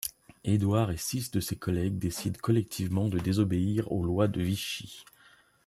Édouard et six de ses collègues décident collectivement de désobéir aux lois de Vichy.